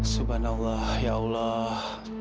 subhanallah ya allah